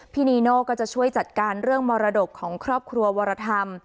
นีโน่ก็จะช่วยจัดการเรื่องมรดกของครอบครัววรธรรม